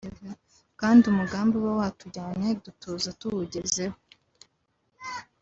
kandi umugambi uba watujyanye dutuza tuwugezeho”